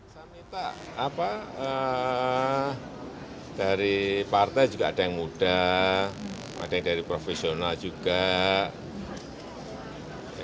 saya minta dari partai juga ada yang muda ada yang dari profesional juga